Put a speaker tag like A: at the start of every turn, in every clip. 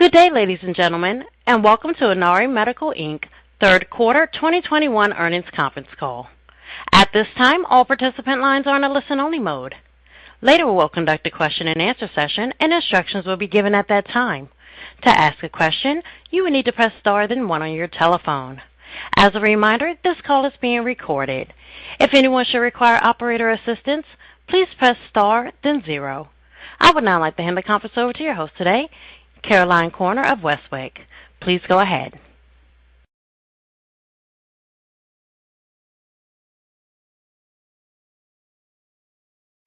A: Good day, ladies and gentlemen, and Welcome to Inari Medical, Inc. Third quarter 2021 Earnings Conference Call. At this time, all participant lines are in a listen-only mode. Later, we'll conduct a question-and-answer session and instructions will be given at that time. To ask a question, you will need to press star then one on your telephone. As a reminder, this call is being recorded. If anyone should require operator assistance, please press star then 0. I would now like to hand the conference over to your host today, Caroline Corner of Westwicke. Please go ahead.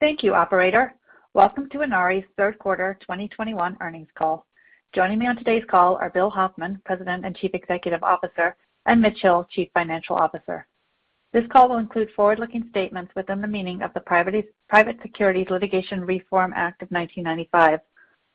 B: Thank you, operator. Welcome to Inari's Third Quarter 2021 Earnings Call. Joining me on today's call are Bill Hoffman, President and Chief Executive Officer, and Mitch Hill, Chief Financial Officer. This call will include forward-looking statements within the meaning of the Private Securities Litigation Reform Act of 1995.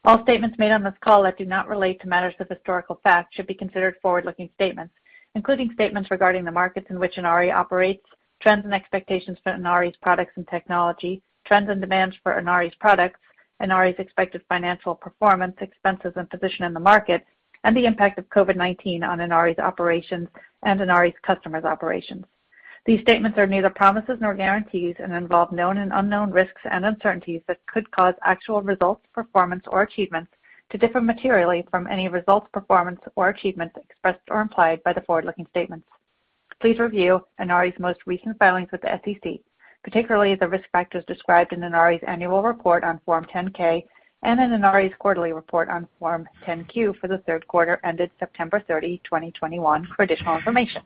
B: All statements made on this call that do not relate to matters of historical fact should be considered forward-looking statements, including statements regarding the markets in which Inari operates, trends and expectations for Inari's products and technology, trends and demands for Inari's products, Inari's expected financial performance, expenses and position in the market, and the impact of COVID-19 on Inari's operations and Inari's customers' operations. These statements are neither promises nor guarantees and involve known and unknown risks and uncertainties that could cause actual results, performance or achievements to differ materially from any results, performance or achievements expressed or implied by the forward-looking statements. Please review Inari's most recent filings with the SEC, particularly the risk factors described in Inari's annual report on Form 10-K and in Inari's quarterly report on Form 10-Q for the third quarter ended September 30, 2021 for additional information.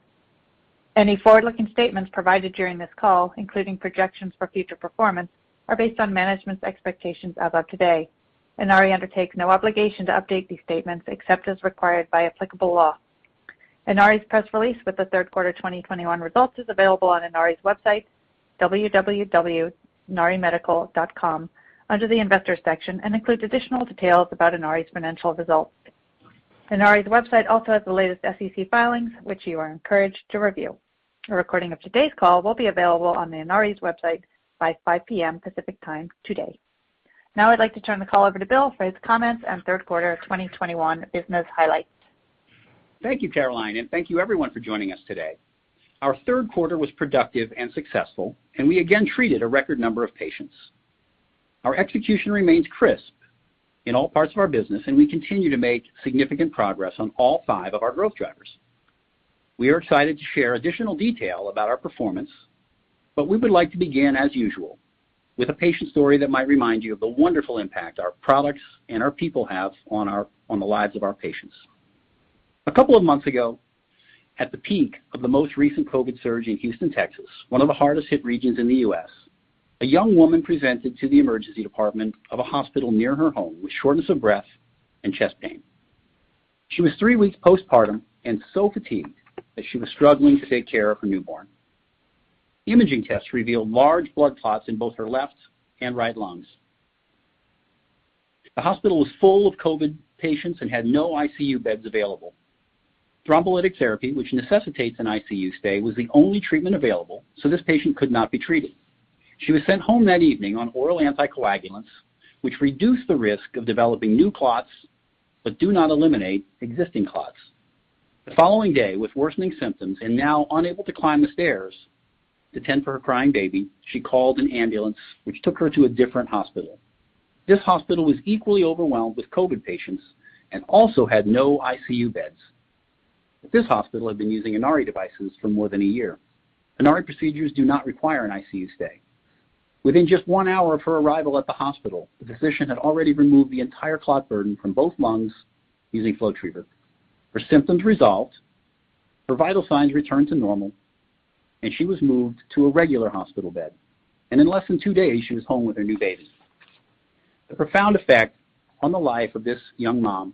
B: Any forward-looking statements provided during this call, including projections for future performance, are based on management's expectations as of today. Inari undertakes no obligation to update these statements except as required by applicable law. Inari's press release with the third quarter 2021 results is available on Inari's website, www.inarimedical.com, under the Investors section, and includes additional details about Inari's financial results. Inari's website also has the latest SEC filings, which you are encouraged to review. A recording of today's call will be available on Inari's website by 5:05 P.M. Pacific Time today. Now I'd like to turn the call over to Bill for his comments and third quarter 2021 business highlights.
C: Thank you, Caroline, and thank you everyone for joining us today. Our third quarter was productive and successful, and we again treated a record number of patients. Our execution remains crisp in all parts of our business, and we continue to make significant progress on all five of our growth drivers. We are excited to share additional detail about our performance, but we would like to begin, as usual, with a patient story that might remind you of the wonderful impact our products and our people have on the lives of our patients. A couple of months ago, at the peak of the most recent COVID surge in Houston, Texas, one of the hardest hit regions in the U.S., a young woman presented to the emergency department of a hospital near her home with shortness of breath and chest pain. She was three weeks postpartum and so fatigued that she was struggling to take care of her newborn. Imaging tests revealed large blood clots in both her left and right lungs. The hospital was full of COVID patients and had no ICU beds available. Thrombolytic therapy, which necessitates an ICU stay, was the only treatment available, so this patient could not be treated. She was sent home that evening on oral anticoagulants, which reduce the risk of developing new clots but do not eliminate existing clots. The following day, with worsening symptoms and now unable to climb the stairs to tend for her crying baby, she called an ambulance, which took her to a different hospital. This hospital was equally overwhelmed with COVID patients and also had no ICU beds. This hospital had been using Inari devices for more than a year. Inari procedures do not require an ICU stay. Within just one hour of her arrival at the hospital, the physician had already removed the entire clot burden from both lungs using FlowTriever. Her symptoms resolved, her vital signs returned to normal, and she was moved to a regular hospital bed. In less than two days, she was home with her new baby. The profound effect on the life of this young mom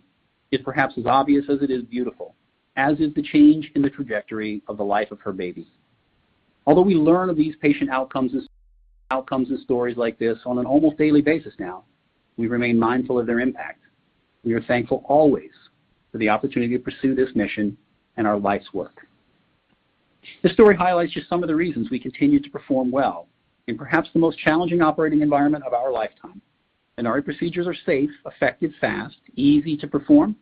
C: is perhaps as obvious as it is beautiful, as is the change in the trajectory of the life of her baby. Although we learn of these patient outcomes and such outcomes and stories like this on an almost daily basis now, we remain mindful of their impact. We are thankful always for the opportunity to pursue this mission and our life's work. This story highlights just some of the reasons we continue to perform well in perhaps the most challenging operating environment of our lifetime. Inari procedures are safe, effective, fast, easy to perform,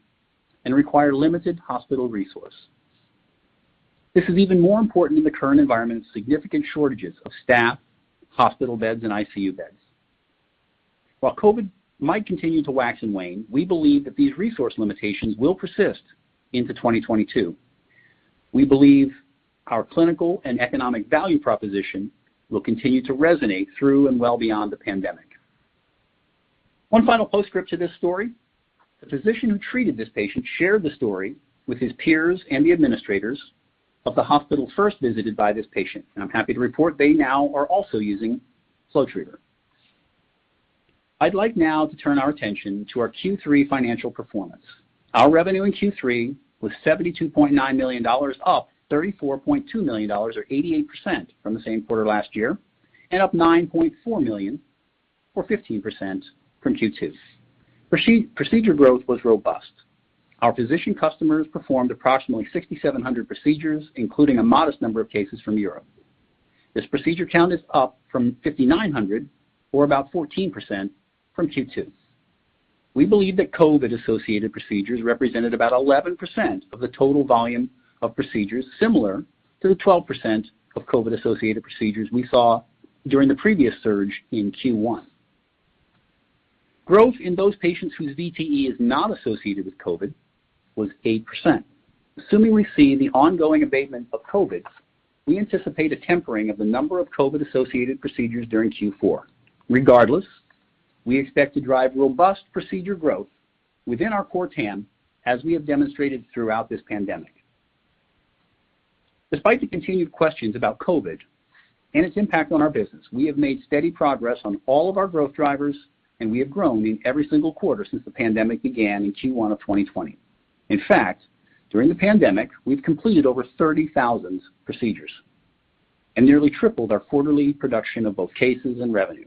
C: and require limited hospital resource. This is even more important in the current environment's significant shortages of staff, hospital beds and ICU beds. While COVID might continue to wax and wane, we believe that these resource limitations will persist into 2022. We believe our clinical and economic value proposition will continue to resonate through and well beyond the pandemic. One final postscript to this story. The physician who treated this patient shared the story with his peers and the administrators of the hospital first visited by this patient, and I'm happy to report they now are also using FlowTriever. I'd like now to turn our attention to our Q3 financial performance. Our revenue in Q3 was $72.9 million, up $34.2 million or 88% from the same quarter last year and up $9.4 million or 15% from Q2. Procedure growth was robust. Our physician customers performed approximately 6,700 procedures, including a modest number of cases from Europe. This procedure count is up from 5,900 or about 14% from Q2. We believe that COVID-associated procedures represented about 11% of the total volume of procedures, similar to the 12% of COVID-associated procedures we saw during the previous surge in Q1. Growth in those patients whose VTE is not associated with COVID was 8%. Assuming we see the ongoing abatement of COVID, we anticipate a tempering of the number of COVID-associated procedures during Q4. Regardless, we expect to drive robust procedure growth within our core TAM as we have demonstrated throughout this pandemic. Despite the continued questions about COVID and its impact on our business, we have made steady progress on all of our growth drivers, and we have grown in every single quarter since the pandemic began in Q1 of 2020. In fact, during the pandemic, we've completed over 30,000 procedures and nearly tripled our quarterly production of both cases and revenue.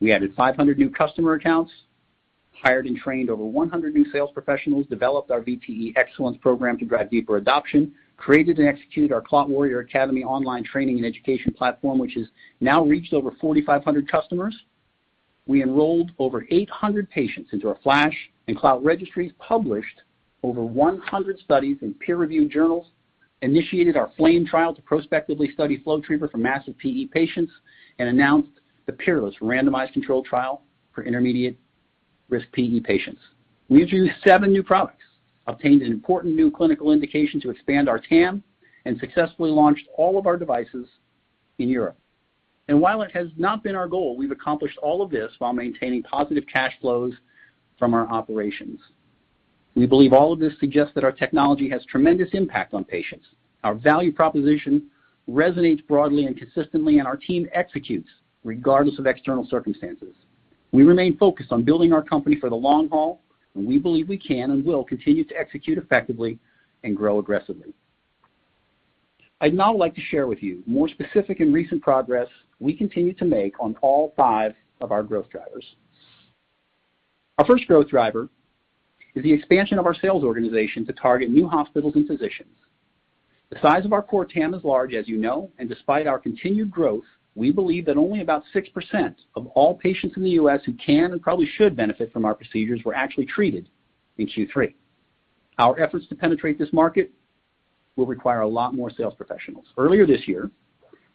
C: We added 500 new customer accounts, hired and trained over 100 new sales professionals, developed our VTE Excellence Program to drive deeper adoption, created and executed our Clot Warrior Academy online training and education platform, which has now reached over 4,500 customers. We enrolled over 800 patients into our FLASH and Clot registries, published over 100 studies in peer-reviewed journals, initiated our FLAME trial to prospectively study FlowTriever for massive PE patients, and announced the PEERLESS randomized controlled trial for intermediate risk PE patients. We introduced seven new products, obtained an important new clinical indication to expand our TAM, and successfully launched all of our devices in Europe. While it has not been our goal, we've accomplished all of this while maintaining positive cash flows from our operations. We believe all of this suggests that our technology has tremendous impact on patients. Our value proposition resonates broadly and consistently, and our team executes regardless of external circumstances. We remain focused on building our company for the long haul, and we believe we can and will continue to execute effectively and grow aggressively. I'd now like to share with you more specific and recent progress we continue to make on all five of our growth drivers. Our first growth driver is the expansion of our sales organization to target new hospitals and physicians. The size of our core TAM is large, as you know, and despite our continued growth, we believe that only about 6% of all patients in the U.S. who can and probably should benefit from our procedures were actually treated in Q3. Our efforts to penetrate this market will require a lot more sales professionals. Earlier this year,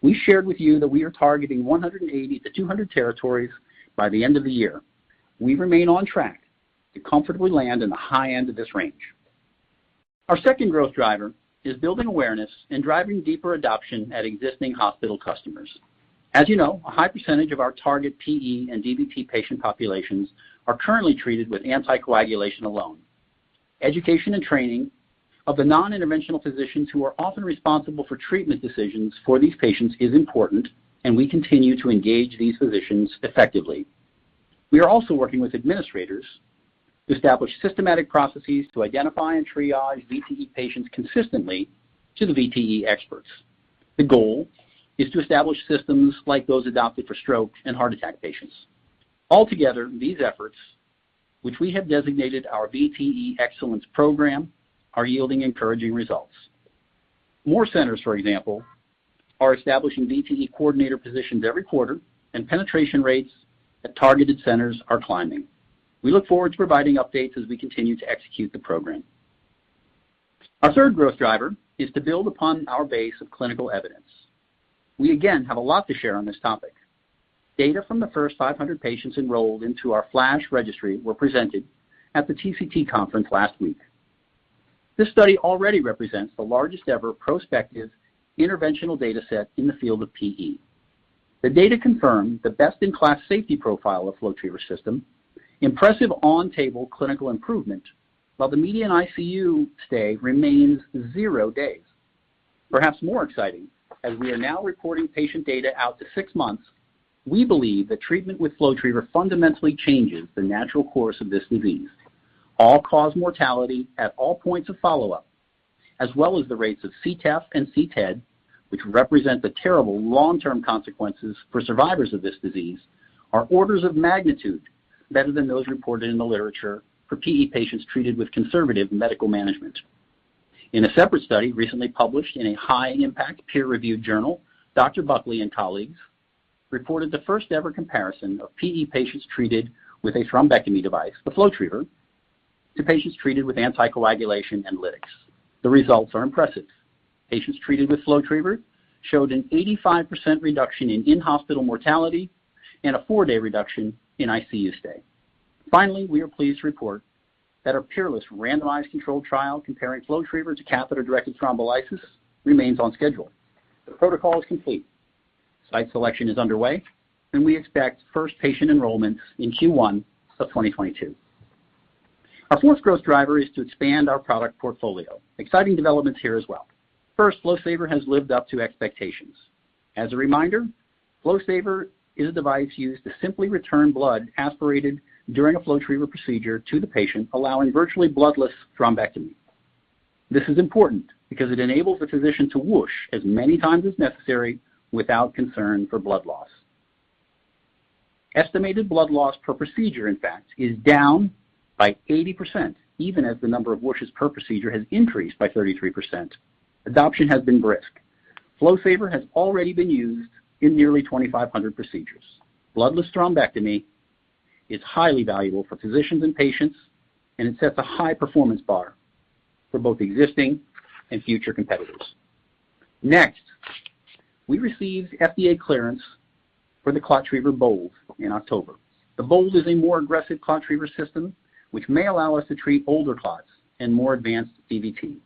C: we shared with you that we are targeting 180 to 200 territories by the end of the year. We remain on track to comfortably land in the high end of this range. Our second growth driver is building awareness and driving deeper adoption at existing hospital customers. As you know, a high percentage of our target PE and DVT patient populations are currently treated with anticoagulation alone. Education and training of the non-interventional physicians who are often responsible for treatment decisions for these patients is important, and we continue to engage these physicians effectively. We are also working with administrators to establish systematic processes to identify and triage VTE patients consistently to the VTE experts. The goal is to establish systems like those adopted for stroke and heart attack patients. Altogether, these efforts, which we have designated our VTE Excellence Program, are yielding encouraging results. More centers, for example, are establishing VTE coordinator positions every quarter, and penetration rates at targeted centers are climbing. We look forward to providing updates as we continue to execute the program. Our third growth driver is to build upon our base of clinical evidence. We again have a lot to share on this topic. Data from the first 500 patients enrolled into our FLASH registry were presented at the TCT conference last week. This study already represents the largest ever prospective interventional data set in the field of PE. The data confirm the best-in-class safety profile of FlowTriever system, impressive on-table clinical improvement, while the median ICU stay remains 0 days. Perhaps more exciting, as we are now reporting patient data out to six months, we believe that treatment with FlowTriever fundamentally changes the natural course of this disease. All-cause mortality at all points of follow-up, as well as the rates of CTEPH and CTED, which represent the terrible long-term consequences for survivors of this disease, are orders of magnitude better than those reported in the literature for PE patients treated with conservative medical management. In a separate study recently published in a high-impact peer-reviewed journal, Dr. Buckley and colleagues reported the first-ever comparison of PE patients treated with a thrombectomy device, the FlowTriever, to patients treated with anticoagulation and lytics. The results are impressive. Patients treated with FlowTriever showed an 85% reduction in in-hospital mortality and a four day reduction in ICU stay. Finally, we are pleased to report that our PEERLESS randomized controlled trial comparing FlowTriever to catheter-directed thrombolysis remains on schedule. The protocol is complete. Site selection is underway, and we expect first patient enrollment in Q1 of 2022. Our fourth growth driver is to expand our product portfolio. Exciting developments here as well. First, FlowSaver has lived up to expectations. As a reminder, FlowSaver is a device used to simply return blood aspirated during a FlowTriever procedure to the patient, allowing virtually bloodless thrombectomy. This is important because it enables the physician to whoosh as many times as necessary without concern for blood loss. Estimated blood loss per procedure, in fact, is down by 80%, even as the number of washes per procedure has increased by 33%. Adoption has been brisk. FlowSaver has already been used in nearly 2,500 procedures. Bloodless thrombectomy is highly valuable for physicians and patients, and it sets a high performance bar for both existing and future competitors. Next, we received FDA clearance for the ClotTriever BOLD in October. The BOLD is a more aggressive ClotTriever system, which may allow us to treat older clots and more advanced DVT.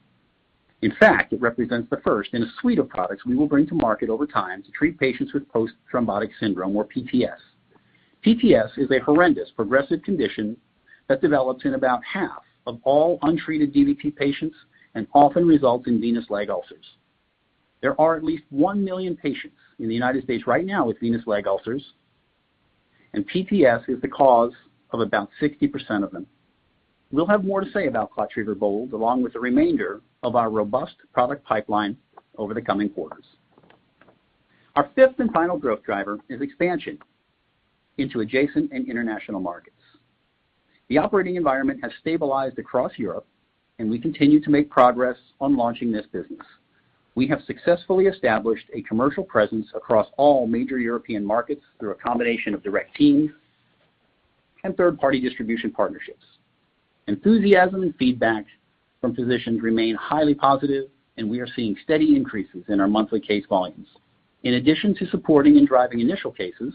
C: In fact, it represents the first in a suite of products we will bring to market over time to treat patients with post-thrombotic syndrome or PTS. PTS is a horrendous progressive condition that develops in about half of all untreated DVT patients and often results in venous leg ulcers. There are at least 1 million patients in the United States right now with venous leg ulcers, and PTS is the cause of about 60% of them. We'll have more to say about ClotTriever BOLD, along with the remainder of our robust product pipeline over the coming quarters. Our fifth and final growth driver is expansion into adjacent and international markets. The operating environment has stabilized across Europe and we continue to make progress on launching this business. We have successfully established a commercial presence across all major European markets through a combination of direct teams and third-party distribution partnerships. Enthusiasm and feedback from physicians remain highly positive and we are seeing steady increases in our monthly case volumes. In addition to supporting and driving initial cases,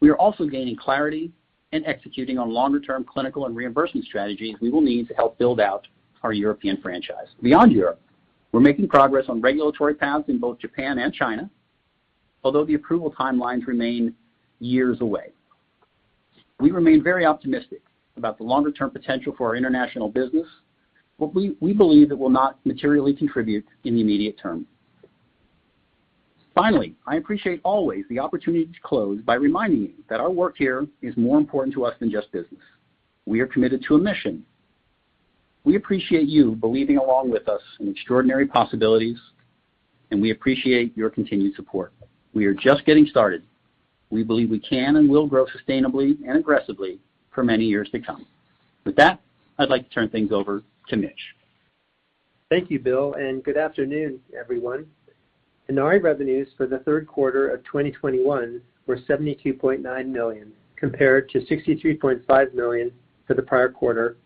C: we are also gaining clarity and executing on longer term clinical and reimbursement strategies we will need to help build out our European franchise. Beyond Europe, we're making progress on regulatory paths in both Japan and China, although the approval timelines remain years away. We remain very optimistic about the longer-term potential for our international business, but we believe it will not materially contribute in the immediate term. Finally, I appreciate always the opportunity to close by reminding you that our work here is more important to us than just business. We are committed to a mission. We appreciate you believing along with us in extraordinary possibilities, and we appreciate your continued support. We are just getting started. We believe we can and will grow sustainably and aggressively for many years to come. With that, I'd like to turn things over to Mitch.
D: Thank you, Bill, and good afternoon, everyone. Inari revenues for the third quarter of 2021 were $72.9 million, compared to $63.5 million for the prior quarter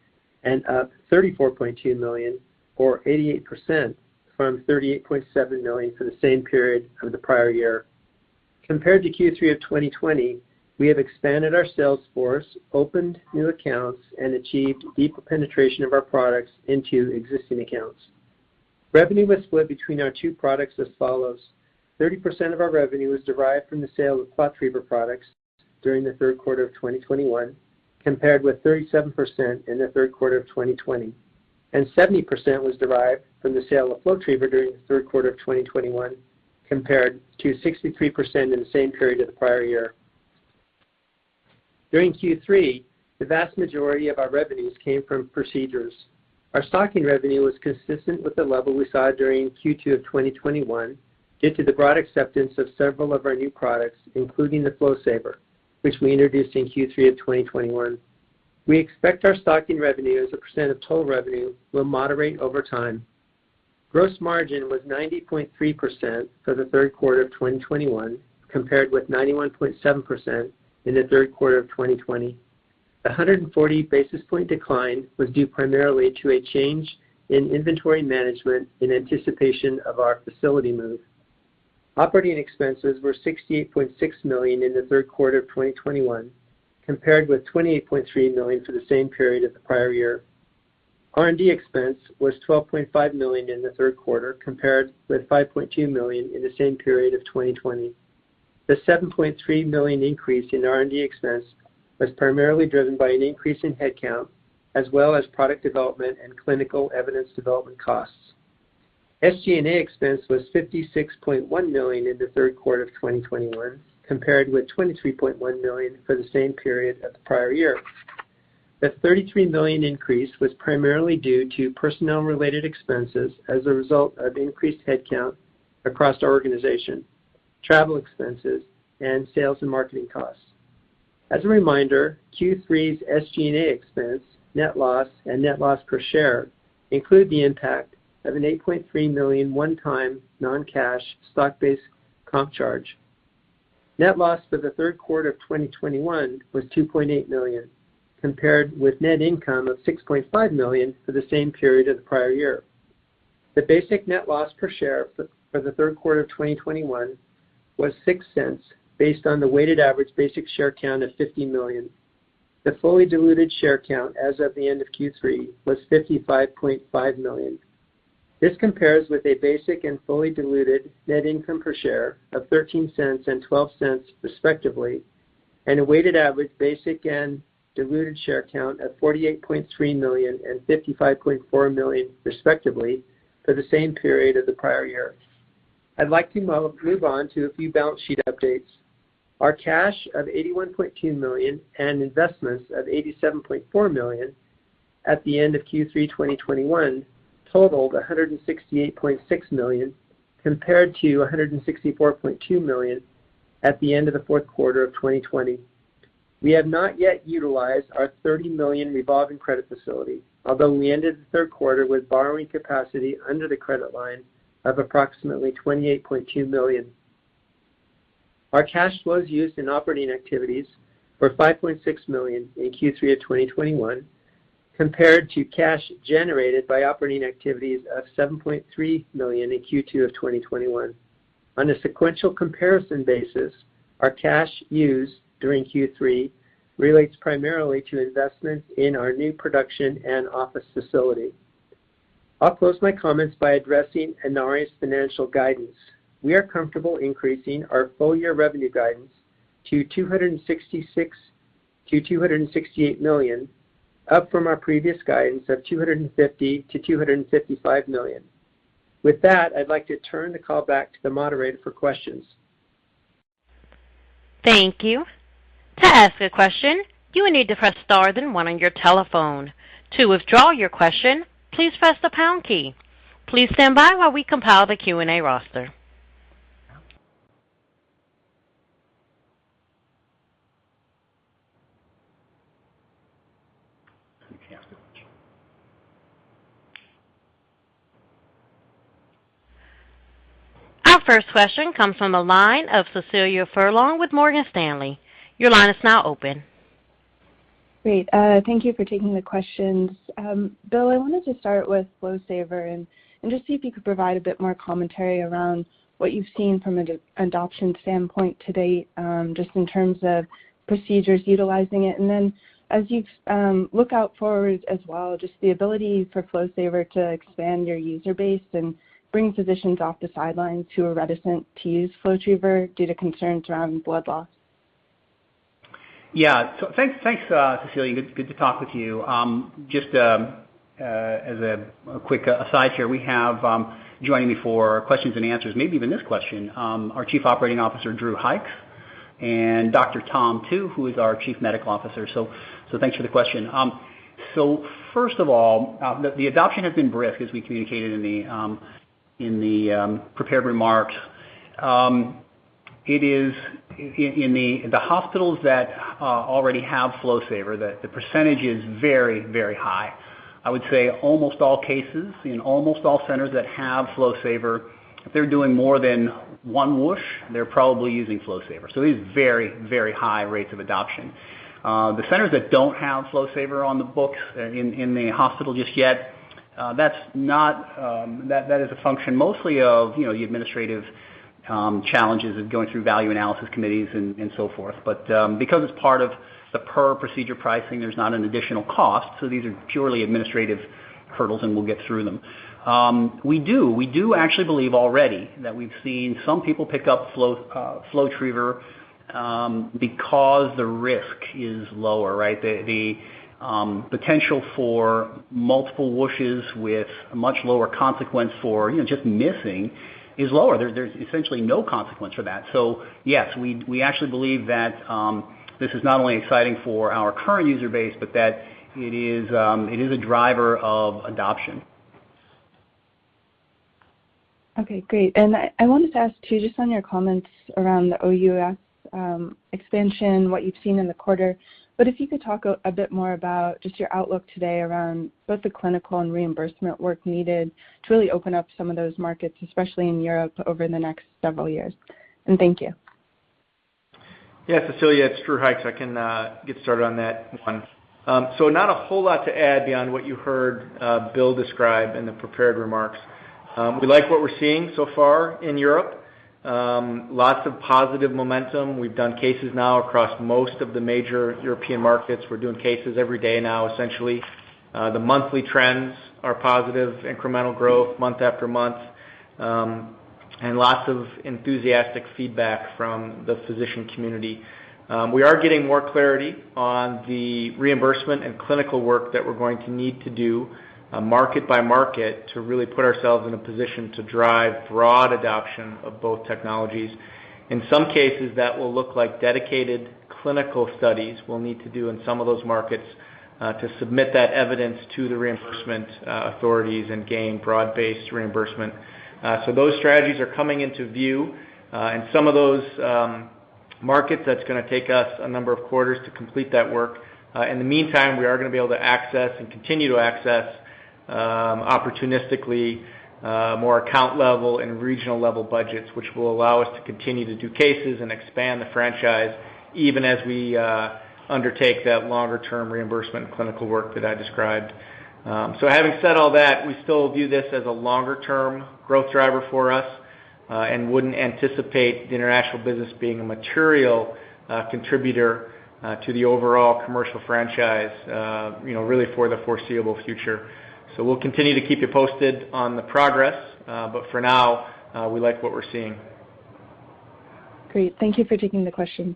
D: and up $34.2 million or 88% from $38.7 million for the same period of the prior year. Compared to Q3 of 2020, we have expanded our sales force, opened new accounts, and achieved deeper penetration of our products into existing accounts. Revenue was split between our two products as follows. 30% of our revenue was derived from the sale of ClotTriever products during the third quarter of 2021, compared with 37% in the third quarter of 2020. Seventy percent was derived from the sale of FlowTriever during the third quarter of 2021, compared to 63% in the same period of the prior year. During Q3, the vast majority of our revenues came from procedures. Our stocking revenue was consistent with the level we saw during Q2 of 2021 due to the broad acceptance of several of our new products, including the FlowSaver, which we introduced in Q3 of 2021. We expect our stocking revenue as a percent of total revenue will moderate over time. Gross margin was 90.3% for the third quarter of 2021, compared with 91.7% in the third quarter of 2020. A 140 basis point decline was due primarily to a change in inventory management in anticipation of our facility move. Operating expenses were $68.6 million in the third quarter of 2021, compared with $28.3 million for the same period of the prior year. R&D expense was $12.5 million in the third quarter, compared with $5.2 million in the same period of 2020. The $7.3 million increase in R&D expense was primarily driven by an increase in headcount as well as product development and clinical evidence development costs. SG&A expense was $56.1 million in the third quarter of 2021, compared with $23.1 million for the same period of the prior year. The $33 million increase was primarily due to personnel-related expenses as a result of increased headcount across our organization, travel expenses, and sales and marketing costs. As a reminder, Q3's SG&A expense, net loss, and net loss per share include the impact of an $8.3 million one-time non-cash stock-based comp charge. Net loss for the third quarter of 2021 was $2.8 million, compared with net income of $6.5 million for the same period of the prior year. The basic net loss per share for the third quarter of 2021 was $0.06 based on the weighted average basic share count of 50 million. The fully diluted share count as of the end of Q3 was $55.5 million. This compares with a basic and fully diluted net income per share of $0.13 and $0.12, respectively, and a weighted average basic and diluted share count of $48.3 million and $55.4 million, respectively, for the same period of the prior year. I'd like to move on to a few balance sheet updates. Our cash of $81.2 million and investments of $87.4 million at the end of Q3 2021 totaled $168.6 million compared to $164.2 million at the end of the fourth quarter of 2020. We have not yet utilized our $30 million revolving credit facility, although we ended the third quarter with borrowing capacity under the credit line of approximately $28.2 million. Our cash flows used in operating activities were $5.6 million in Q3 of 2021 compared to cash generated by operating activities of $7.3 million in Q2 of 2021. On a sequential comparison basis, our cash used during Q3 relates primarily to investments in our new production and office facility. I'll close my comments by addressing Inari's financial guidance. We are comfortable increasing our full year revenue guidance to $266 million to $268 million, up from our previous guidance of $250 million to $255 million. With that, I'd like to turn the call back to the moderator for questions.
A: Thank you. To ask a question, you will need to press Star then One on your telephone. To withdraw your question, please press the Pound key. Please stand by while we compile the Q and A roster. Our first question comes from the line of Cecilia Furlong with Morgan Stanley. Your line is now open.
E: Great. Thank you for taking the questions. Bill, I wanted to start with FlowSaver and just see if you could provide a bit more commentary around what you've seen from an adoption standpoint to date, just in terms of procedures utilizing it, and then as you look forward as well, just the ability for FlowSaver to expand your user base and bring physicians off the sidelines who are reticent to use FlowTriever due to concerns around blood loss.
C: Yeah. Thanks, Cecilia, good to talk with you. Just as a quick aside here, we have joining me for questions and answers, maybe even this question, our Chief Operating Officer, Drew Hykes, and Dr. Tom Tu, who is our Chief Medical Officer. Thanks for the question. First of all, the adoption has been brisk as we communicated in the prepared remarks. It is in the hospitals that already have FlowSaver, the percentage is very high. I would say almost all cases in almost all centers that have FlowSaver, if they're doing more than one whoosh, they're probably using FlowSaver. It is very high rates of adoption. The centers that don't have FlowSaver on the books in the hospital just yet, that is a function mostly of, you know, the administrative challenges of going through value analysis committees and so forth. Because it's part of the per procedure pricing, there's not an additional cost. These are purely administrative hurdles, and we'll get through them. We do actually believe already that we've seen some people pick up FlowTriever because the risk is lower, right? The potential for multiple whooshes with a much lower consequence for, you know, just missing is lower. There's essentially no consequence for that. Yes, we actually believe that this is not only exciting for our current user base, but that it is a driver of adoption.
E: Okay, great. I wanted to ask too, just on your comments around the OUS expansion, what you've seen in the quarter, but if you could talk a bit more about just your outlook today around both the clinical and reimbursement work needed to really open up some of those markets, especially in Europe over the next several years? Thank you.
F: Yeah, Cecilia, it's Drew Hykes. I can get started on that one. Not a whole lot to add beyond what you heard, Bill describe in the prepared remarks. We like what we're seeing so far in Europe. Lots of positive momentum. We've done cases now across most of the major European markets. We're doing cases every day now, essentially. The monthly trends are positive, incremental growth month after month, and lots of enthusiastic feedback from the physician community. We are getting more clarity on the reimbursement and clinical work that we're going to need to do, market by market, to really put ourselves in a position to drive broad adoption of both technologies. In some cases, that will look like dedicated clinical studies we'll need to do in some of those markets, to submit that evidence to the reimbursement, authorities and gain broad-based reimbursement. Those strategies are coming into view. In some of those markets, that's gonna take us a number of quarters to complete that work. In the meantime, we are gonna be able to access and continue to access, opportunistically, more account level and regional level budgets, which will allow us to continue to do cases and expand the franchise even as we, undertake that longer term reimbursement clinical work that I described. Having said all that, we still view this as a longer term growth driver for us, and wouldn't anticipate the international business being a material contributor to the overall commercial franchise, you know, really for the foreseeable future. We'll continue to keep you posted on the progress, but for now, we like what we're seeing.
E: Great. Thank you for taking the questions.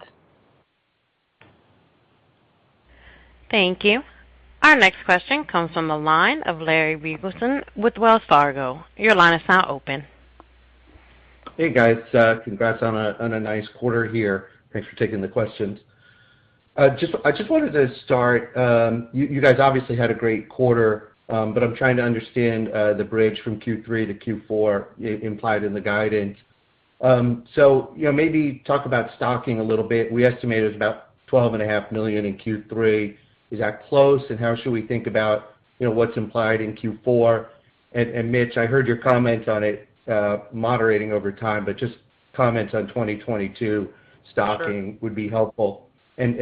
A: Thank you. Our next question comes from the line of Larry Biegelsen with Wells Fargo. Your line is now open.
G: Hey guys, congrats on a nice quarter here. Thanks for taking the questions. I just wanted to start, you guys obviously had a great quarter, but I'm trying to understand the bridge from Q3 to Q4 implied in the guidance. So, you know, maybe talk about stocking a little bit. We estimated about $12.5 million in Q3. Is that close? And how should we think about, you know, what's implied in Q4? And Mitch, I heard your comments on it moderating over time, but just comments on 2022 stocking.
D: Sure.
G: would be helpful.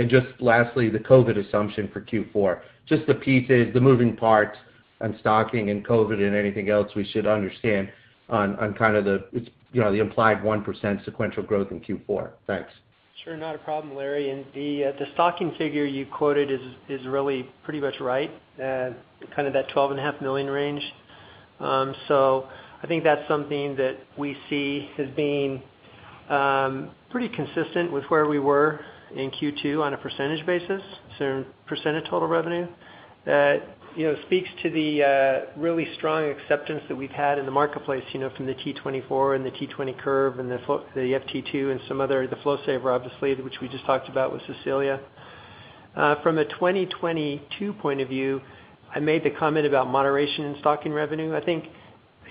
G: Just lastly, the COVID assumption for Q4, just the pieces, the moving parts and stocking and COVID and anything else we should understand on kind of the, it's, you know, the implied 1% sequential growth in Q4. Thanks.
D: Sure. Not a problem, Larry. The stocking figure you quoted is really pretty much right. Kind of that $12.5 million range. I think that's something that we see as being pretty consistent with where we were in Q2 on a percentage basis. percent of total revenue that, you know, speaks to the really strong acceptance that we've had in the marketplace, you know, from the T24 and the T20 catheter and the FT2 and some other, the FlowSaver obviously, which we just talked about with Cecilia. From a 2022 point of view, I made the comment about moderation in stocking revenue. I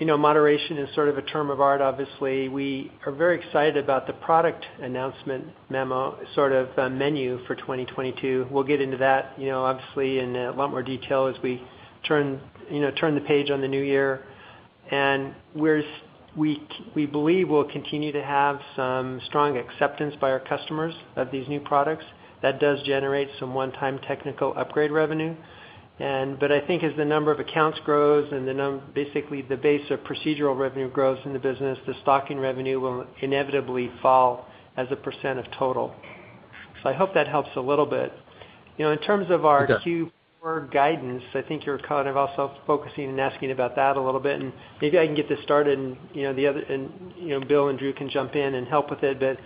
D: think, you know, moderation is sort of a term of art, obviously. We are very excited about the product announcement. More sort of a menu for 2022. We'll get into that, you know, obviously in a lot more detail as we turn the page on the new year. We believe we'll continue to have some strong acceptance by our customers of these new products that does generate some one-time technical upgrade revenue. I think as the number of accounts grows and basically the base of procedural revenue grows in the business, the stocking revenue will inevitably fall as a percent of total. I hope that helps a little bit. You know, in terms of our-
G: It does.
D: Q4 guidance, I think you're kind of also focusing and asking about that a little bit, and maybe I can get this started, you know, Bill and Drew can jump in and help with it, but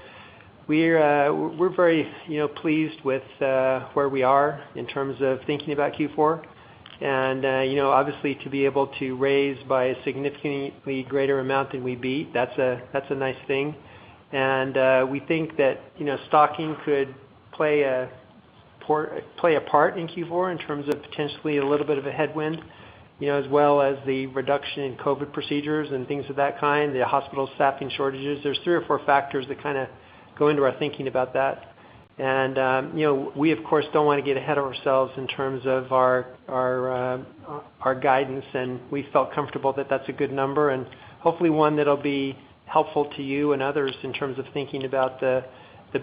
D: we're very, you know, pleased with where we are in terms of thinking about Q4. You know, obviously to be able to raise by a significantly greater amount than we beat, that's a nice thing. We think that, you know, stocking could play a part in Q4 in terms of potentially a little bit of a headwind, you know, as well as the reduction in COVID procedures and things of that kind, the hospital staffing shortages. There's three or four factors that kind of go into our thinking about that. You know, we of course don't wanna get ahead of ourselves in terms of our guidance, and we felt comfortable that that's a good number and hopefully one that'll be helpful to you and others in terms of thinking about the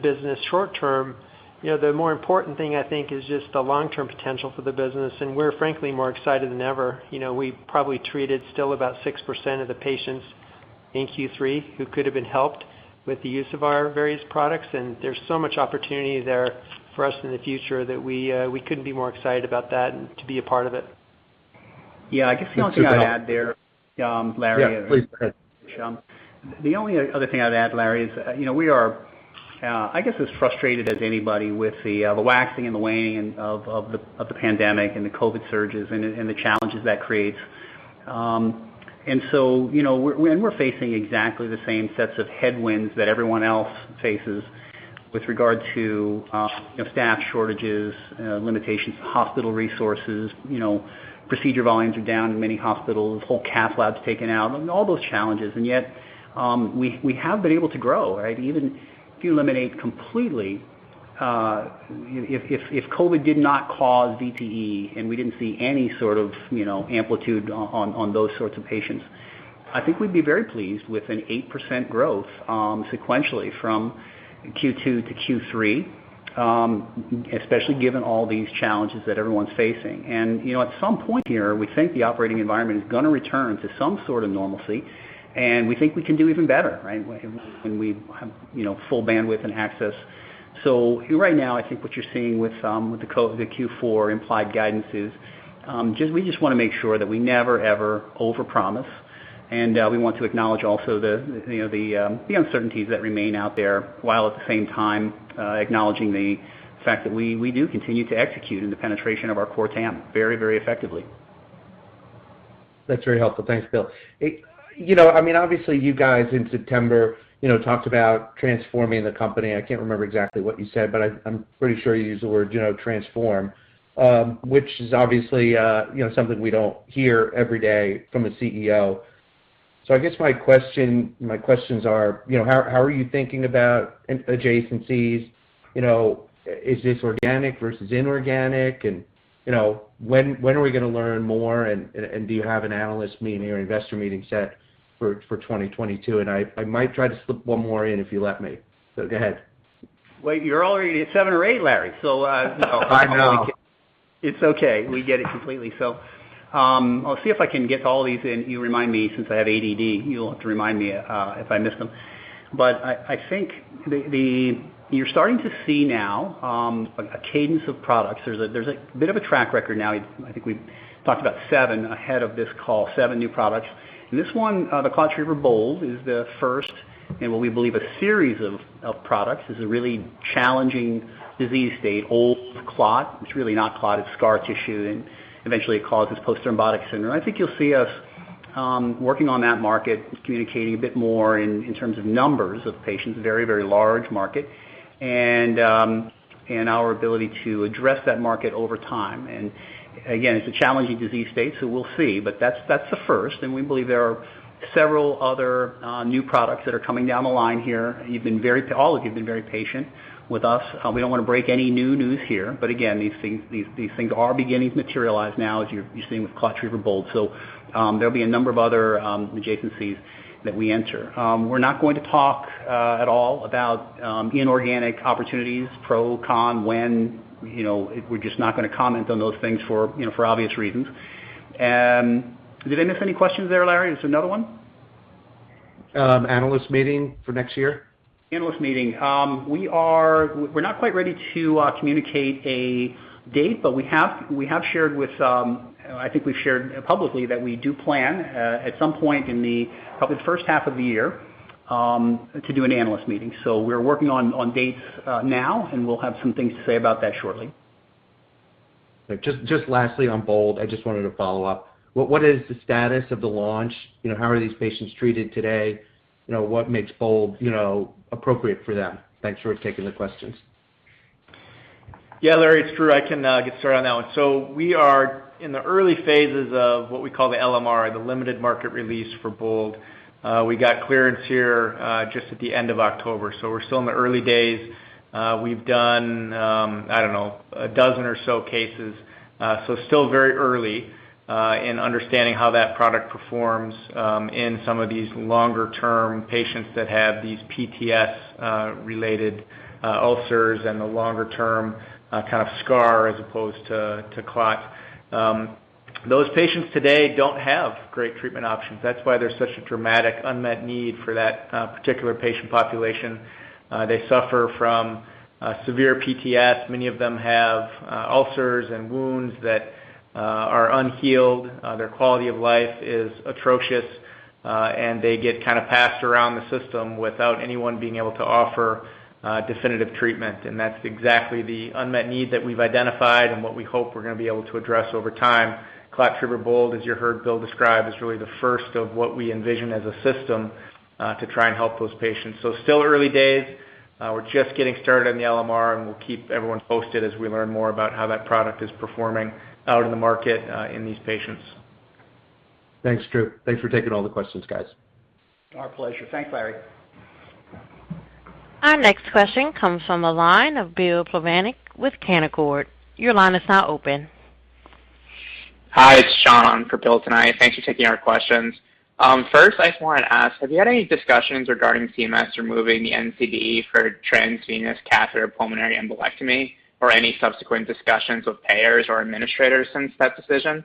D: business short term. You know, the more important thing I think is just the long-term potential for the business, and we're frankly more excited than ever. You know, we probably treated still about 6% of the patients in Q3 who could have been helped with the use of our various products, and there's so much opportunity there for us in the future that we couldn't be more excited about that and to be a part of it.
G: Yeah.
C: I guess the only thing I'd add there, Larry-
G: Yeah, please. Go ahead.
C: The only other thing I'd add, Larry, is, you know, we are I guess as frustrated as anybody with the waxing and the waning of the pandemic and the COVID surges and the challenges that creates. You know, we're facing exactly the same sets of headwinds that everyone else faces with regard to, you know, staff shortages, limitations, hospital resources, you know, procedure volumes are down in many hospitals, whole cath labs taken out. I mean, all those challenges. Yet, we have been able to grow, right? Even if you eliminate completely, if COVID did not cause VTE and we didn't see any sort of, you know, upside on those sorts of patients, I think we'd be very pleased with 8% growth sequentially from Q2 to Q3, especially given all these challenges that everyone's facing. You know, at some point here, we think the operating environment is gonna return to some sort of normalcy, and we think we can do even better right when we have, you know, full bandwidth and access. Right now, I think what you're seeing with the COVID Q4 implied guidance is just we just wanna make sure that we never, ever overpromise. We want to acknowledge also the, you know, uncertainties that remain out there, while at the same time, acknowledging the fact that we do continue to execute in the penetration of our core TAM very effectively.
G: That's very helpful. Thanks, Bill. You know, I mean, obviously you guys in September, you know, talked about transforming the company. I can't remember exactly what you said, but I'm pretty sure you used the word, you know, transform, which is obviously, you know, something we don't hear every day from a CEO. So I guess my question, my questions are, you know, how are you thinking about in-adjacencies? You know, is this organic versus inorganic? And, you know, when are we gonna learn more? And do you have an analyst meeting or investor meeting set for 2022? And I might try to slip one more in if you let me. So go ahead.
C: Well, you're already at seven or eight, Larry.
G: I know.
C: It's okay. We get it completely. I'll see if I can get all these in. You remind me, since I have ADD, you'll have to remind me, if I miss them. I think you're starting to see now a cadence of products. There's a bit of a track record now. I think we've talked about seven ahead of this call, seven new products. This one, the ClotTriever BOLD, is the first in what we believe a series of products. This is a really challenging disease state. Clot. It's really not clot, it's scar tissue, and eventually it causes post-thrombotic syndrome. I think you'll see us working on that market, just communicating a bit more in terms of numbers of patients. Very large market. Our ability to address that market over time. Again, it's a challenging disease state, so we'll see. That's the first. We believe there are several other new products that are coming down the line here. You've been very, all of you have been very patient with us. We don't wanna break any new news here, but again, these things are beginning to materialize now as you're seeing with ClotTriever BOLD. There'll be a number of other adjacencies that we enter. We're not going to talk at all about inorganic opportunities, pro, con, when. You know, we're just not gonna comment on those things for, you know, for obvious reasons. Did I miss any questions there, Larry? Is there another one?
G: Analyst meeting for next year.
C: Analyst meeting. We're not quite ready to communicate a date, but I think we've shared publicly that we do plan at some point in the probably first half of the year to do an analyst meeting. We're working on dates now, and we'll have some things to say about that shortly.
G: Just lastly on BOLD, I just wanted to follow up. What is the status of the launch? You know, how are these patients treated today? You know, what makes BOLD, you know, appropriate for them? Thanks for taking the questions.
F: Yeah. Larry, it's Drew. I can get started on that one. We are in the early phases of what we call the LMR, the limited market release for BOLD. We got clearance here just at the end of October, so we're still in the early days. We've done, I don't know, a dozen or so cases. Still very early in understanding how that product performs in some of these longer term patients that have these PTS-related ulcers and the longer term kind of scar as opposed to clot. Those patients today don't have great treatment options. That's why there's such a dramatic unmet need for that particular patient population. They suffer from severe PTS. Many of them have ulcers and wounds that are unhealed. Their quality of life is atrocious, and they get kinda passed around the system without anyone being able to offer definitive treatment. That's exactly the unmet need that we've identified and what we hope we're gonna be able to address over time. ClotTriever BOLD, as you heard Bill describe, is really the first of what we envision as a system to try and help those patients. Still early days. We're just getting started on the LMR, and we'll keep everyone posted as we learn more about how that product is performing out in the market in these patients.
G: Thanks, Drew. Thanks for taking all the questions, guys.
C: Our pleasure. Thanks, Larry.
A: Our next question comes from the line of Bill Plovanic with Canaccord. Your line is now open.
H: Hi, it's Sean for Bill tonight. Thanks for taking our questions. First, I just wanted to ask, have you had any discussions regarding CMS removing the NCD for Transvenous Catheter Pulmonary Embolectomy or any subsequent discussions with payers or administrators since that decision?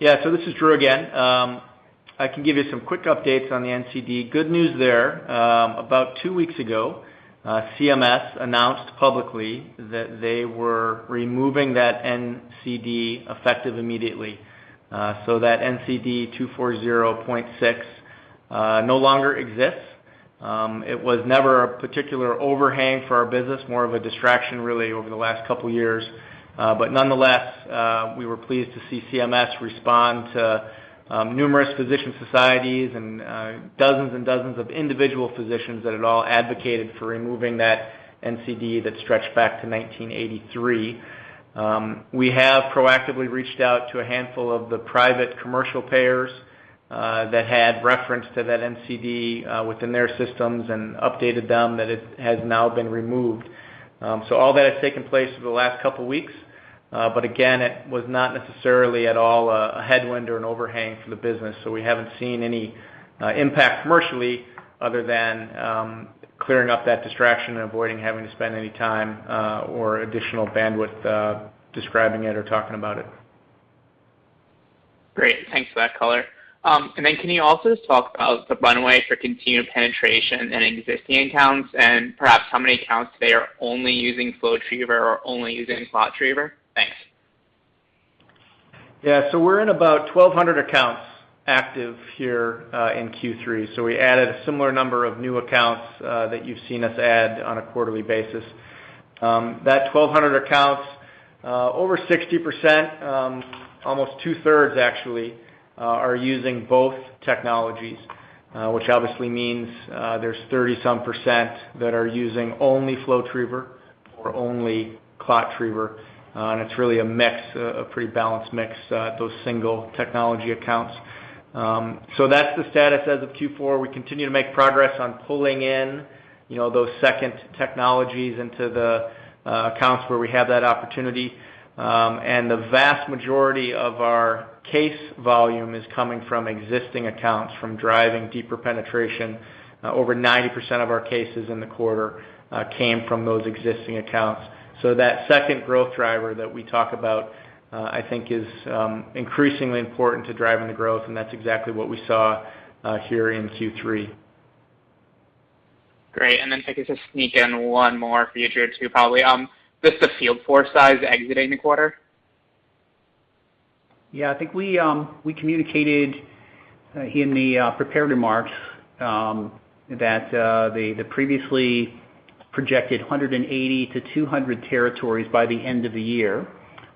F: Yeah. This is Drew again. I can give you some quick updates on the NCD. Good news there. About two weeks ago, CMS announced publicly that they were removing that NCD effective immediately. That NCD 240.6 no longer exists. It was never a particular overhang for our business. More of a distraction really over the last couple years. Nonetheless, we were pleased to see CMS respond to numerous physician societies and dozens and dozens of individual physicians that had all advocated for removing that NCD that stretched back to 1983. We have proactively reached out to a handful of the private commercial payers that had reference to that NCD within their systems and updated them that it has now been removed. All that has taken place over the last couple weeks. Again, it was not necessarily at all a headwind or an overhang for the business, so we haven't seen any impact commercially other than clearing up that distraction and avoiding having to spend any time or additional bandwidth describing it or talking about it.
H: Great. Thanks for that color. Can you also just talk about the runway for continued penetration in existing accounts and perhaps how many accounts today are only using FlowTriever or only using ClotTriever? Thanks.
F: We're in about 1,200 accounts active here in Q3. We added a similar number of new accounts that you've seen us add on a quarterly basis. That 1,200 accounts, over 60%, almost two-thirds actually, are using both technologies, which obviously means there's 30-some% that are using only FlowTriever or only ClotTriever. It's really a mix, a pretty balanced mix at those single technology accounts. That's the status as of Q4. We continue to make progress on pulling in, you know, those second technologies into the accounts where we have that opportunity. The vast majority of our case volume is coming from existing accounts, from driving deeper penetration. Over 90% of our cases in the quarter came from those existing accounts. That second growth driver that we talk about, I think, is increasingly important to driving the growth, and that's exactly what we saw here in Q3.
H: Great. If I could just sneak in one more for you, Drew, too, probably. Just the field force size exiting the quarter?
F: Yeah, I think we communicated in the prepared remarks that the previously projected 180 to 200 territories by the end of the year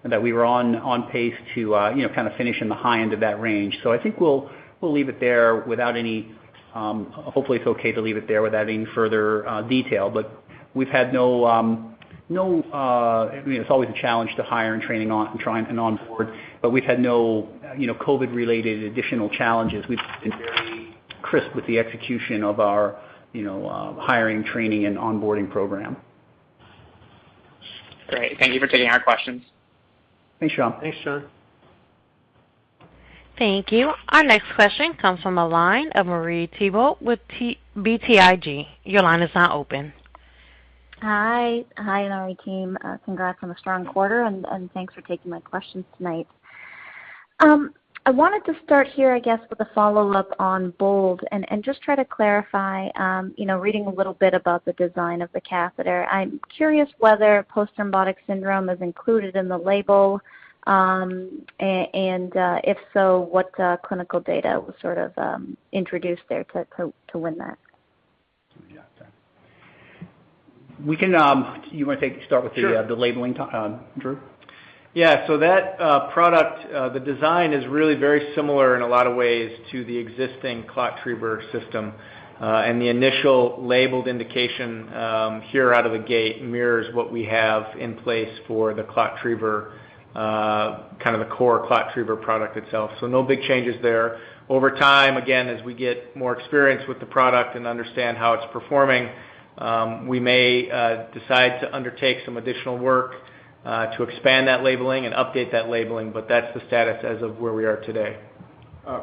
F: and that we were on pace to you know kind of finish in the high end of that range. I think we'll leave it there without any. Hopefully it's okay to leave it there without any further detail. We've had no you know it's always a challenge to hire and train and onboard, but we've had no you know COVID related additional challenges. We've been very crisp with the execution of our you know hiring, training and onboarding program.
H: Great. Thank you for taking our questions.
C: Thanks, Sean.
F: Thanks, Sean.
A: Thank you. Our next question comes from the line of Marie Thibault with BTIG. Your line is now open.
I: Hi. Hi, Inari team. Congrats on a strong quarter and thanks for taking my questions tonight. I wanted to start here, I guess with a follow-up on Bold and just try to clarify, you know, reading a little bit about the design of the catheter. I'm curious whether post-thrombotic syndrome is included in the label, and if so, what clinical data was sort of introduced there to win that?
C: Yeah. We can, you wanna start with the-
F: Sure.
C: the labeling to, Drew?
F: Yeah. That product, the design is really very similar in a lot of ways to the existing ClotTriever system. The initial labeled indication here out of the gate mirrors what we have in place for the ClotTriever, kind of the core ClotTriever product itself. No big changes there. Over time, again, as we get more experience with the product and understand how it's performing, we may decide to undertake some additional work to expand that labeling and update that labeling, but that's the status as of where we are today.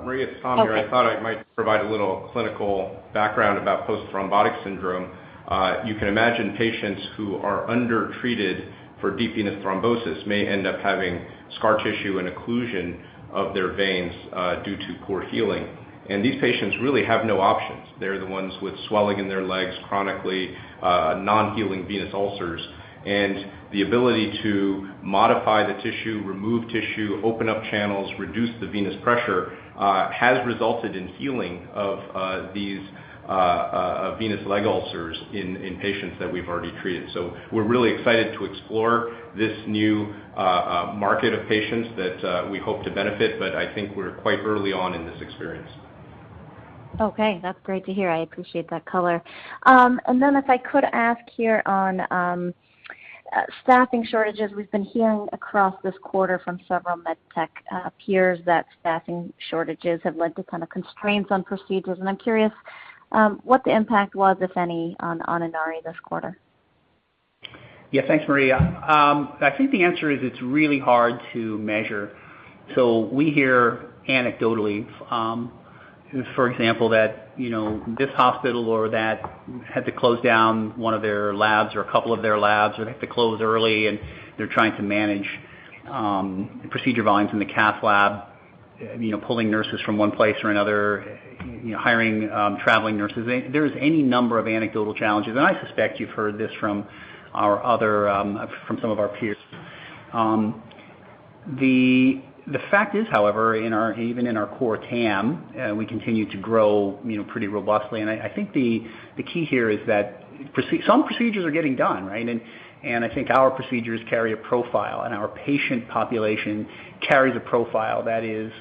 J: Marie, it's Tom here.
I: Okay.
J: I thought I might provide a little clinical background about post-thrombotic syndrome. You can imagine patients who are undertreated for deep venous thrombosis may end up having scar tissue and occlusion of their veins due to poor healing. These patients really have no options. They're the ones with swelling in their legs chronically, non-healing venous ulcers. The ability to modify the tissue, remove tissue, open up channels, reduce the venous pressure has resulted in healing of these venous leg ulcers in patients that we've already treated. We're really excited to explore this new market of patients that we hope to benefit, but I think we're quite early on in this experience.
I: Okay. That's great to hear. I appreciate that color. Then if I could ask here on staffing shortages. We've been hearing across this quarter from several med tech peers that staffing shortages have led to kind of constraints on procedures. I'm curious what the impact was, if any, on Inari this quarter?
C: Yeah. Thanks, Marie. I think the answer is it's really hard to measure. We hear anecdotally, for example, that, you know, this hospital or that had to close down one of their labs or a couple of their labs, or they have to close early and they're trying to manage procedure volumes in the cath lab, you know, pulling nurses from one place or another, you know, hiring traveling nurses. There's any number of anecdotal challenges, and I suspect you've heard this from our other, from some of our peers. The fact is, however, even in our core TAM, we continue to grow, you know, pretty robustly. I think the key here is that some procedures are getting done, right? I think our procedures carry a profile and our patient population carries a profile that is,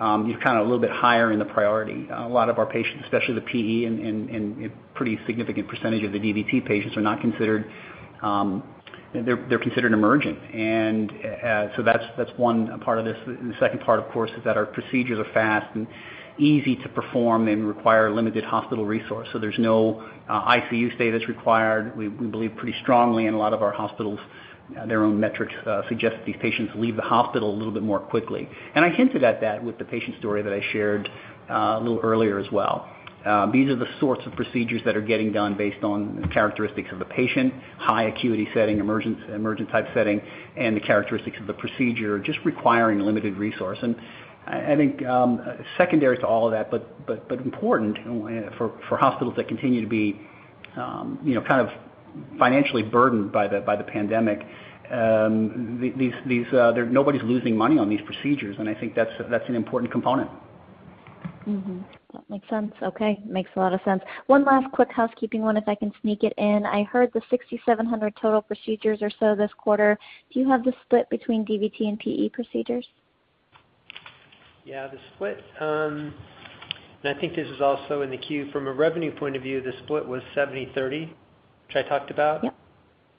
C: you know, kind of a little bit higher in the priority. A lot of our patients, especially the PE and pretty significant percentage of the DVT patients, are considered emergent. That's one part of this. The second part, of course, is that our procedures are fast and easy to perform and require limited hospital resource. There's no ICU status required. We believe pretty strongly in a lot of our hospitals, their own metrics suggest these patients leave the hospital a little bit more quickly. I hinted at that with the patient story that I shared a little earlier as well. These are the sorts of procedures that are getting done based on characteristics of the patient, high acuity setting, emergency, emergent type setting, and the characteristics of the procedure just requiring limited resource. I think, secondary to all of that, but important for hospitals that continue to be, you know, kind of financially burdened by the pandemic, these nobody's losing money on these procedures, and I think that's an important component.
I: That makes sense. Okay. Makes a lot of sense. One last quick housekeeping one, if I can sneak it in. I heard the 6,700 total procedures or so this quarter. Do you have the split between DVT and PE procedures?
D: Yeah. The split, and I think this is also in the queue. From a revenue point of view, the split was 70/30, which I talked about.
I: Yep.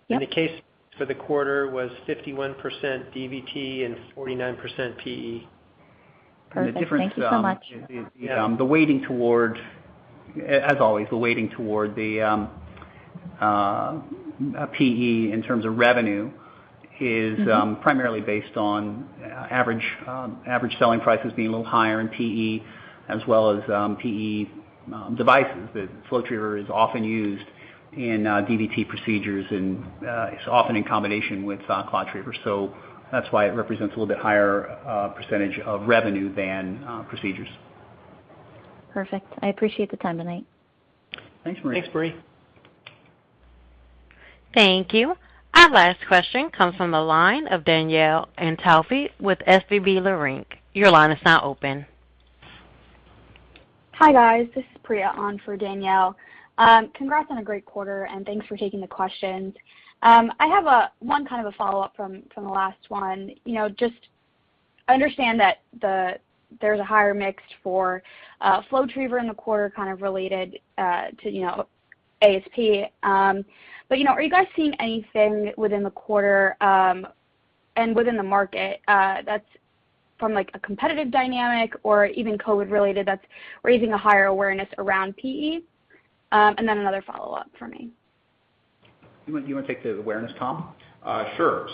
I: Yep.
C: The case for the quarter was 51% DVT and 49% PE.
I: Perfect. Thank you so much.
C: The difference is the weighting toward, as always, PE in terms of revenue is-
I: Mm-hmm.
C: primarily based on average selling prices being a little higher in PE as well as PE devices. The FlowTriever is often used in DVT procedures and is often in combination with ClotTriever. That's why it represents a little bit higher percentage of revenue than procedures.
I: Perfect. I appreciate the time tonight.
D: Thanks, Marie.
C: Thanks, Marie.
A: Thank you. Our last question comes from the line of Danielle Antalffy with SVB Leerink. Your line is now open.
K: Hi, guys. This is Priya on for Danielle. Congrats on a great quarter, and thanks for taking the questions. I have one kind of a follow-up from the last one. You know, just I understand that there's a higher mix for FlowTriever in the quarter kind of related to, you know, ASP. But, you know, are you guys seeing anything within the quarter and within the market that's from like a competitive dynamic or even COVID-related that's raising a higher awareness around PE? Another follow-up for me.
C: You wanna take the awareness, Tom?
J: Sure.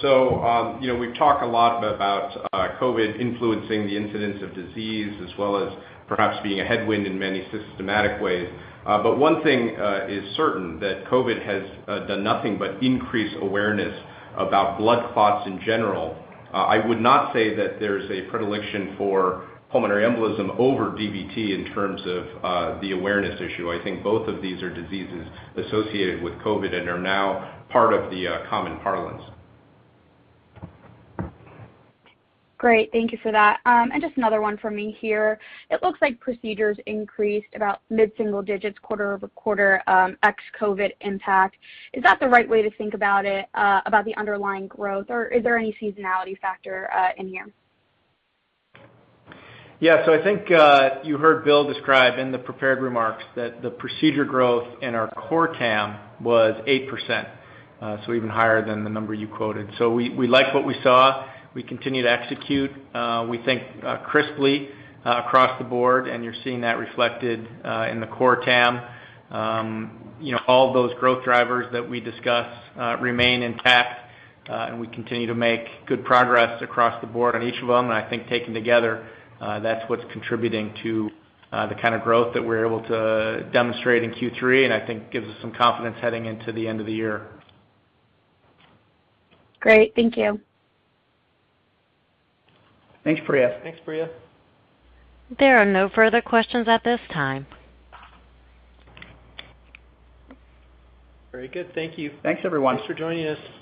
J: You know, we've talked a lot about COVID influencing the incidence of disease as well as perhaps being a headwind in many systematic ways. One thing is certain that COVID has done nothing but increase awareness about blood clots in general. I would not say that there's a predilection for pulmonary embolism over DVT in terms of the awareness issue. I think both of these are diseases associated with COVID and are now part of the common parlance.
K: Great. Thank you for that. Just another one for me here. It looks like procedures increased about mid-single digits quarter-over-quarter, ex COVID impact. Is that the right way to think about it, about the underlying growth, or is there any seasonality factor, in here?
F: Yeah. I think you heard Bill describe in the prepared remarks that the procedure growth in our core TAM was 8%, so even higher than the number you quoted. We like what we saw. We continue to execute, we think, crisply, across the board, and you're seeing that reflected in the core TAM. You know, all of those growth drivers that we discuss remain intact, and we continue to make good progress across the board on each of them. I think taken together, that's what's contributing to the kind of growth that we're able to demonstrate in Q3, and I think gives us some confidence heading into the end of the year.
K: Great. Thank you.
C: Thanks, Priya.
D: Thanks, Priya.
A: There are no further questions at this time.
C: Very good. Thank you.
D: Thanks, everyone.
C: Thanks for joining us.